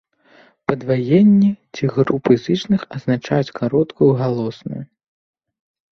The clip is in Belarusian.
Падваенні ці групы зычных азначаюць кароткую галосную.